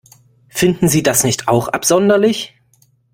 Finden Sie das nicht auch absonderlich?